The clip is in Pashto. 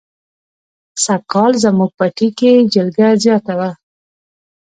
سږ کال زموږ پټي کې جلگه زیاته وه.